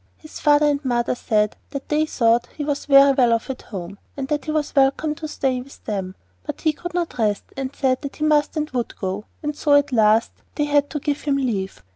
His father and mother said that they thought he was very well off at home, and that he was welcome to stay with them; but he could not rest, and said that he must and would go, so at last they had to give him leave.